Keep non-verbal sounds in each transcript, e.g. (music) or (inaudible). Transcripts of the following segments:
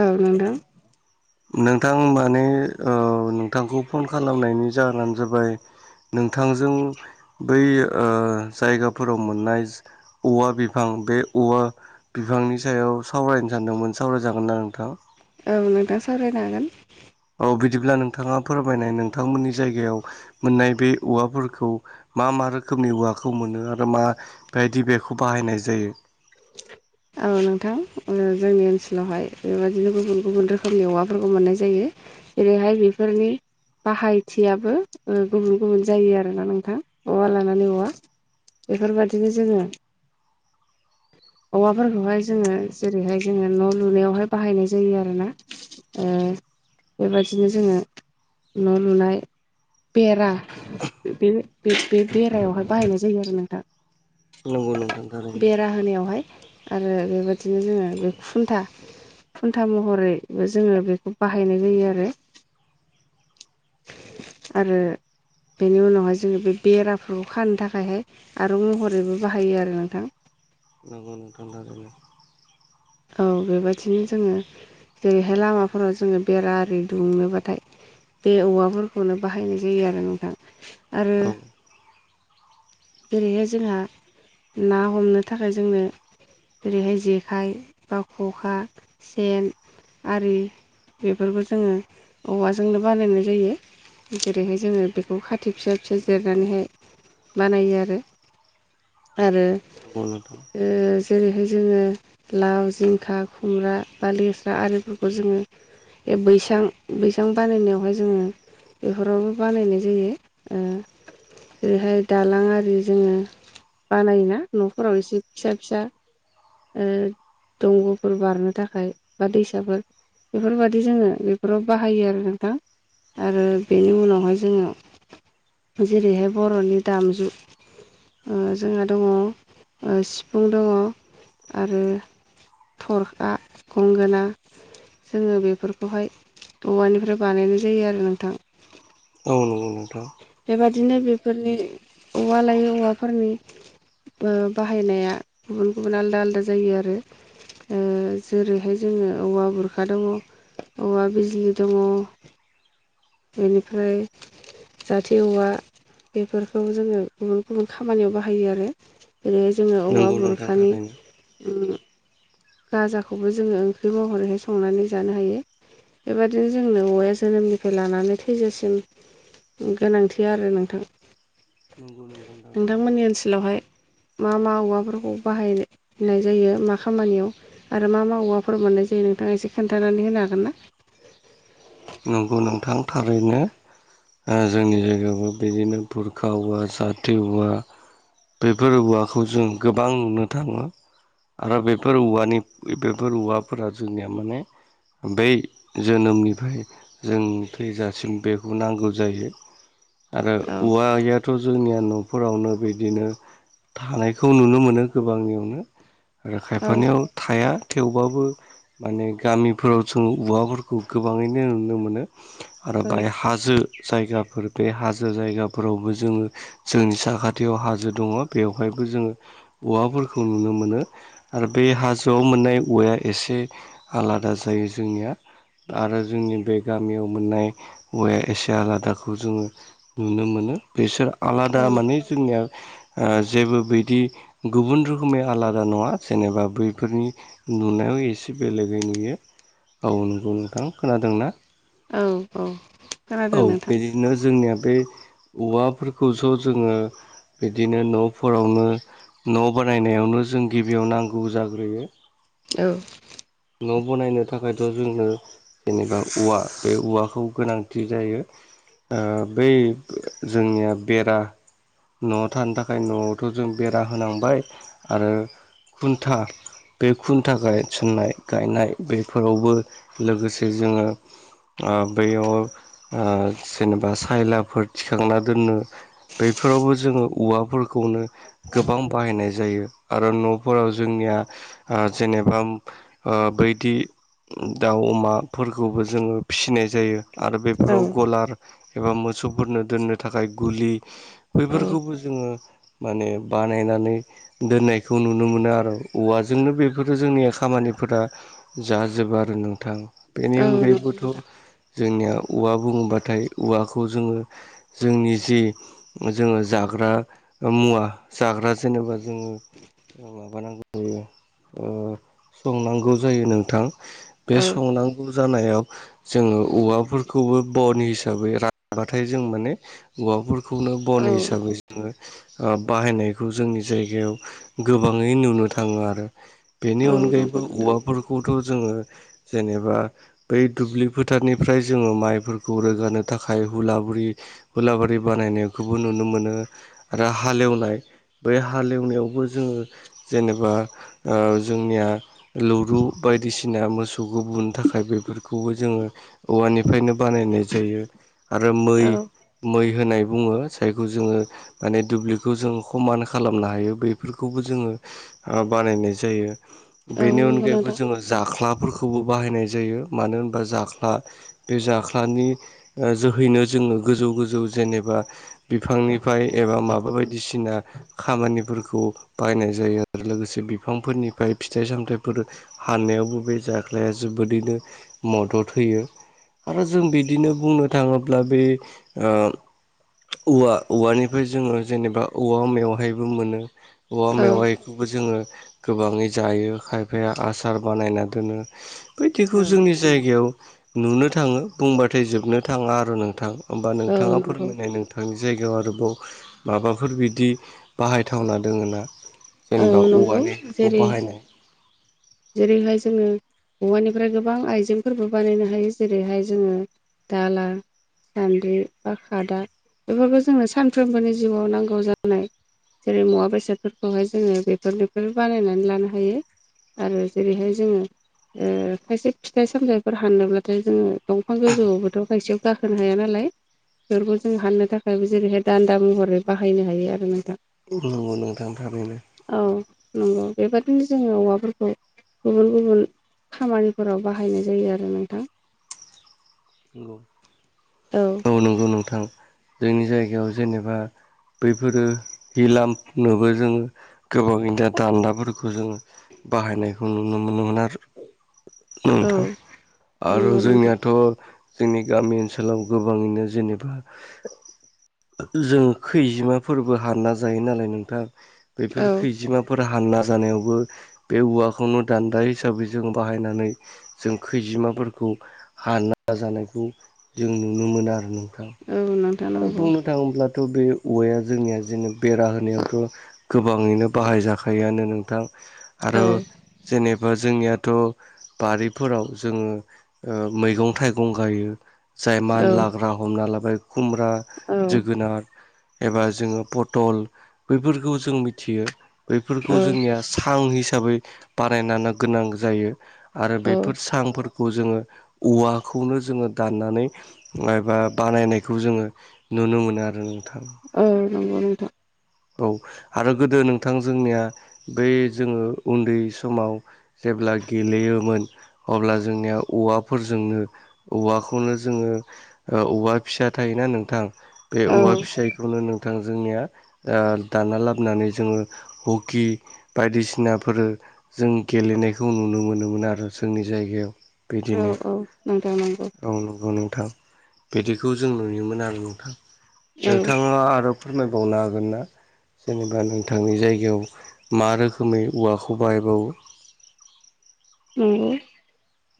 औ नोंथां। नोंथां माने ओ नोंथांखौ फन खालामनायनि जाहोनानो जाबाय नोंथांजों बै ओ जायगाफोराव मोननाय औवा बिफां बे औवा बिफांनि सायाव सावरायनो सानदोंमोन सावराय जागोन ना नोंथां? औ नोंथां सावरायनो हागोन। औ बिदिब्ला नोंथाङा फोरमायनाय नोंथांमोननि जायगायाव मोननाय बे औवाफोरखौ मा मा रोखोमनि औवाखौ मोनो आरो मा बायदि बेखौ बाहायनाय जायो? औ नोंथां ओ जोंनि ओनसोलावहाय बेबायदिनो गुबुन गुबुन रोखोमनि औवाफोरखौ मोननाय जायो। जेरैहाय बेफोरनि बाहायथियाबो ओ गुबुन गुबुन जायो आरोना नोंथां औवा लानानै औवा। बेफोरबादिनो जोङो औवाफोरखौहाय जोङो जेरैहाय जोङो न' लुनायावहाय बाहायनाय जायो आरो ना। ओ बेबादिनो जोङो न' लुनाय बेरा बे बे-बे-बेरायावहाय बाहायनाय जायो आरो नोंथां। नंगौ नोंथां थारैनो। बेरा होनायावहाय आरो बेबादिनो जोङो बे खुन्था खुन्था महरैबो जोङो बेखौ बाहायनाय जायो आरो। (inaudible) आरो बेनि उनावहाय जोङो बे बेराखौ खानो थाखायहाय आरुं महरैबो बाहायो आरो नोंथां। (unintelligible) औ बेबादिनो जोङो जेरैहाय लामाफोराव जोङो बेरा आरि दुमनोबाथाय बे औवाफोरखौनो बाहायनाय जायो आरो नोंथां। आरो औ जेरैहाय जोंहा ना हमनो थाखाय जोंनो ओेरैहाय जेखाइ, बा ख'खा, सेन आरि बेफोरबो जोङो औवाजोंनो बानायनाय जायो। जेरैहाय जोङो बेखौ खाथि फिसा फिसा जिरनानैहाय बानायो आरो। आरो नंगौ नोंथां ओ जेरैहाय जोङो लाव, जिंखा, खुमब्रा, बा लेस्रा आरिफोरखौ जोङो बे बैसां बैसां बानायनायावहाय जोङो बेफोरावबो बानायनाय जायो ओ जेरैहाय दालां आरि जोङो बानायोना न'फोराव एसे फिसा फिसा ओ दंग'फोर बारनो थाखाय बा दैसाफोर बेफोरबादि जोङो बेफोराव बाहायो आरो नोंथां। आरो बेनि उनावहाय जोङो जेरैहाय बर'नि दामजु ओ जोंहा दङ ओ सिफुं दङ आरो थरखा, गंगोना जोङो बेफोरखौहाय औवानिफ्राय बानायनाय जायो आरो नोंथां। औ नंगौ नोंथां। बेबादिनो थारैनो बेफोरनि औवा लायो औवाफोरनि ओ बाहायनाया गुबुन गुबुन आलदा आलदा जायो आरो। ओ जेरैहाय जोङो औवा बुरखा दङ औवा बिजलि दङ। बेनिफ्राय जाथि औवा बेफोरखौ जोङो गुबुन गुबुन खामानियाव बाहायो आरो। जेरै जोङो औवा नंगौ नोंथां बुरखानि थारैनो उम गाजाखौबो जोङो ओंख्रि महरैहाय संनानै जानो हायो। बेबायदिनो जोंनो औवाया जोनोमनिफ्राय लानानै थैजासिम गोनांथि आरो नोंथां नंगौ नोंथां थारैनो। नोंथांमोननि ओनसोलावहाय। मा मा औवाफोरखौ बाहायनाय जायो मा खामानियाव। आरो मा मा औवाफोर मोननाय जायो नोंथाङा एसे खोन्थानानै होनो हागोन ना? नंगौ नोंथां थारैनो। आ जोंनि जायगायावबो बिदिनो बुरखा औवा जाथि औवा बेफोर औवाखौ जों गोबां नुनो थाङो। आरो बेफोर औवानि बेफोर औवाफोरा जोंनिया माने। बै जोनोमनिफ्राय जों थैजासिम बेखौ नांगौ जायो। आरो औ औवायाथ' जोंनिया न'फोरावनो बिदिनो। थानायखौ नुनो मोनो गोबांनियावनो आरो औ खायफानियाव। औ थाया थेवबाबो माने गामिफोराव जों औवाफोरखौ गोबाङैनो नुनो मोनो आरो बाय हाजो। जायगाफोर बे हाजो जायगाफोरावबो जोङो। जोंनि साखाथियाव हाजो दङ बेवहायबो जोङो औवाफोरखौ नुनो मोनो। आरो बे हाजोआव मोननाय औवाया एसे आलादा जायो जोंनिया आरो। जोंनि बे गामियाव मोननाय हौवाया एसे आलादाखौ जों नुनो मोनो बेसोर आलादा माने जोंनिया। ओ जेबो बिदि गुबुन रोखोमै आलादा नङा जेनेबा बैफोरनि। नुनायाव एसे बेलेगै नुयो औ नंगौ नोंथां खोनादोंना? औ औ औ खोनादों नोंथां। बिदिनो जोंनिया बे औवाफोरखौस' जोङो। बिदिनो न'फोरावनो। न' बानायनायावनो जों गिबियाव नांगौ जाग्रोयो। औ। न' बनायनो थाखायथ' जोंनो। जेनेबा औवा बे औवाखौ गोनांथि जायो। ओ बै जोंनिया बेरा। न'आव थानो थाखाय न'आवथ' जों बेरा होनांबाय आरो खुन्था बे खुन्था गाय सन्नाय गायनाय बेफोरावबो लोगोसे जोङो। ओ बैयाव ओ जेनेबा सायलाफोर थिखांना दोननो। बेफोरावबो जोङो औवाफोरखौनो। गोबां बाहायनाय जायो आरो न'फोराव जोंनिया ओ जेनेबा। ओ बैदि दाउ अमा। फोरखौबो जोङो फिसिनाय जायो आरो बेफोराव गलार। एबा मोसौफोरनो दोननो थाखाय गुलि औ बैफोरखौबो जोङो माने बानायनानै। दोननायखौ नुनो मोनो आरो औवाजोंनो बेफोर जोंनिया खामानिफोरा जाजोब आरो नोंथां बेनि औ नंगौ नोंथां औ नंगौ नोंथां अनगायैबोथ' औ जोंनिया औवा बुङोब्लाथाय औवाखौ जोङो जोंनि जि जोङो जाग्रा मुवा जाग्रा जेनेबा जोङो माबानांगौ जायो ओ संनांगौ जायो नोंथां। औ नंगौ नोंथां औ बे समाव आं जानायाव जोङो औवाफोरखौबो बन हिसाबै रानबाथाय जों माने औवाफोरखौनो बन हिसाबै ओ बाहायनायखौ जोंनि जायगायाव गोबाङै नुनो थाङो आरो बेनि अनगायैबो औवाफोरखौथ' जोङो जेनेबा बै दुब्लि फोथारनिफ्राय जोङो माइफोरखौ रोगानो थाखाय हुलाबुरि हुला बारि बानायनायखौबो नुनो मोनो। रा हालेवनाय बै हालेवनायावबो जोङो जेनेबा ओ जोंनिया लरु बायदिसिना मोसौखौ बुनो थाख थाखाय बेफोरखौबो जोङो औवानिफ्रायनो बानायनाय जायो। आरो मै मै होनाय बुङो जायखौ जोङो माने दुब्लिखौ जों खमान खालामनो हायो बैफोरखौबो जोङो ओ बानायनाय जायो बेनि अनगायैबो जोङो जाख्लाफोरखौबो बाहायनाय जायो जायो मानो होनबा जाख्ला बे जाख्लाानि ओ जोहैनो जोङो गोजौ गोजौ जेनेबा बिफांनिफाय एबा माबा बायदिसिना खामानिफोरखौ बाहायनाय जायो। आरो लोगोसे बिफांफोरनिफ्राय फिथाइ सामथायाइफोर हाननायावबो बे जाग्लाया जोबोदैनो मदद होयो। आरो जों बिदिनो बुंनो थाङोब्ला बे ओ औवा औवानिफ्राय जोङो जेनेबा औवा मेवहायबो मोनो। औवा मेवाय खौबो जोङो गोबाङै जायो खायफाया आसार बानायना दोनो। बायदिखौ जोंनि जायगायाव नुनो थाङो बुंबाथाय जोबनो थाङा आरो नोंथां। होमबा औ नोंथाङा नंगौ फोरमायनाय नोंथा आं जायगायाव आरोबाव माबाफोर बिदि बाहायथावना दोङो ना? जेनेबा औ नंगौ औवानिखौ जेरै बाहायनाय। जेरैहाय जोङो हौवानिफ्राय गोबां आइजेंफोरबो बानायनो हायो। जेरैहाय जोङो दाला सान्द्रि बा खादा बेफोरखौ जोंनो सानफ्रोमबोनि जिउआव नांगौ जानाय जेरै मुवा बेसादफोरखौहाय जोङो बेफोरनिफ्राय बानायनानै लानो हायो। आरो जेरैहाय जोङो ओ खायसे फिथाइ सामथायफोर हानो ब्लाथाय जोङो दंफां गोजौआवबोथ' खायसेयाव गाखोनो हाया नालाय। बेफोरखौ जों हानोनो थाखायबो जेरैहाय दान्दा महरै बाहायनो हायो आरो नोंथां। नंगौ नोंथांनि थैनो। औ नंगौ बेबादिनो जोङो औवाफोर खौ गुबुन गुबुन खामानिफोराव बाहायनाय जायो आरो नोंथां। नंगौ औ नंगौ नोंथां। जोंनि जायगायाव जेनेबा बैफोरो हिलामनोबो जोङो गोबाव दा दान्दाफोरखौ जोङो। बाहायनायखौ नुनो मोनोमोन आरो। औ नोंथां आरो नंगौ नोंथां जोंनियाथ' जोंनि गामि ओनसोलाव गोबाङैनो जेनेबा जों खैजिमाफोरबो हानना जायो नालाय नोंथां। बेफोर औ खैजिमा फोर हानना जानायावबो बे औवाखौनो दान्दा हिसाबै जों बाहायनानै जों खैजिमाफोरखौ हाना जानायखौ जों नुनो मोनो आरो नोंथां। औ नों आरो बुंनो थाङोब्ला थ' बे औवाया जोंनिया जेन बेरा होनायावथ' गोबाङैनो बाहायजाखायोआनो नोंथां। आर' औ जेनेबा जोंनियाथ' बारिफोराव जोङो ओ मैगं थाइगं गायो। जाय मान औ लाग्रा हमना लाबाय खुमब्रा, औ जोगोनार एबा जोङो पटल बैफोरखौ जों मिथियो। औ बैफोरखौ जोंनिया सां हिसाबै बानाय गोनां जायो। आरो औ बेफोर सांफोर खौ जोङो औवाखौनो जोङो दाननानै एबा बानायनाय बेखौ जोङो नुनो मोनो आरो नोंथां। औ नंगौ नोंथां। औ आरो गोदो नोंथां जोंनिया बै जोङो उन्दै समाव जेब्ला गेलेयोमोन अब्ला जोंनिया औवाफोरजोंनो औवाखौनो जोङो औवा फिसा थायोना नोंथां। बे औ औवा फिसायखौनो नोंथां जोंनिया ओ दान्ना लाबोनानै जोङो हकि बायदिसिनाफोर जों गेलेनायखौ नुनो मोनोमोन आरो जोंनि जायगायाव। औ बिदिनो औ नोंथां नंगौ। औ नंगौ नोंथां बिदिखौ जों नुयोमोन आरो नोंथां। औ नोंथाङा आरो फोरमायबावनो आग गोन ना जेनेबा नोंथांनि जायगायाव मा रोखोमै औवाखौ बायबावो? नंगौ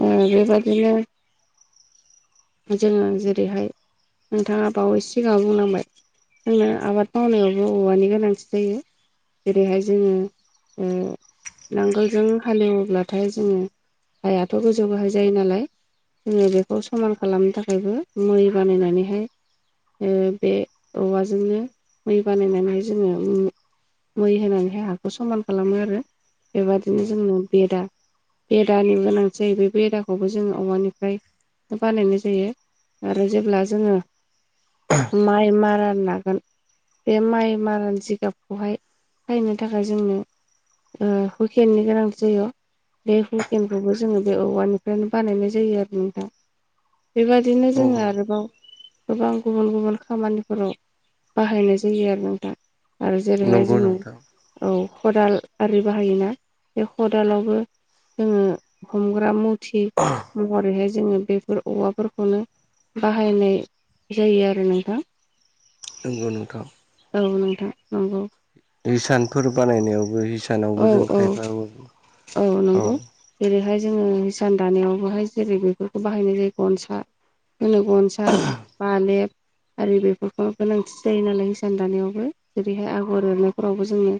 ओ बेबादिनो जोङो जेरैहाय नोंथाङा बावै सिगां बुंलांबाय जोंङो आबाद मावनायावबो औवानि गोनांथि जायो। जेरैहाय जोङो नांगोलजों हालेवोब्ला। नाथाय जोङो आइआथ' गोजौ गाहाय जायो नालाय जोङो बेखौ समान खालामनो थाखायबो मै बानायनानैहाय ओ बे औवाजोंनो मै बानायनानै जोङो मै होनानैहाय हाखौ समान खालामो आरो बेबदििनो जोंनो बेदा बेदानि गोनांथि जायो बे बेदाखौबो जोङो औवानिफ्राय बानायनाय जायो आरो जेब्ला जोङो माइ मारा लाागोन बे माइ मारान जिगाबखौहाय फायनो थाखाय जोंनो हुकेननि गोनां जायो। बे हुकेनखौबो जोङो बे औवानिफ्रायनो बानायनाय जायो आरो नोंथां। बेबदिनो औ जोङो आरोबाव गोबां गुबुन गुबुन खामानिफोराव बाहायनाय जायो आरो नोंथां आरो जेरैहाय नंगौ जोङो नोंथां औ खदाल आरि बाहायोना बे खदालावबो जोङो हमग्रा मुथि महरैहाय जोङो बेफोर औवाफोरखौनो बाहायनाय जायो आरो नोंथां। नोंगौ नोंथां। औ नोंथां नंगौ। हिसानफोर बानायनायावबो हिसानावबो औ जों औ खायफा औ जेरैहाय जोङो हिसान दानायावबोहाय जेरै बेफोरखौ बाहायनाय जायो गनसा होनो गनसा बालेब आरो बेफोरखौ गोनांथि जायो नालाय हिसान दानायावबो जेरैहाय आगर एरनायफोरावबो जोङो।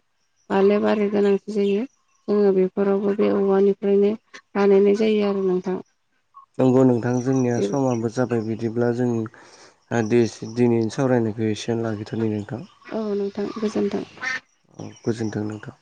बालेब आदि गोनांथि जायो जोङो बेफोरावबो बे औवानिफ्रायनो बानायनाय जायो आरो नोंथां। नंगौ नोंथां जोंनिया समा बो जाबाय बिदिब्ला जों दिनै सावरायनायखौ एसेनो लागिथारननो। औ नोंथां गोजोन्थों। औ गोजोन्थों नोंथां।